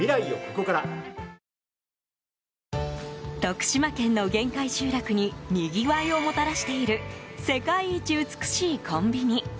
徳島県の限界集落ににぎわいをもたらしている世界一美しいコンビニ。